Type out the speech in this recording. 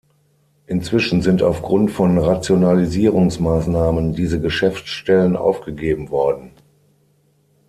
Inzwischen sind aufgrund von Rationalisierungsmaßnahmen diese Geschäftsstellen aufgegeben worden.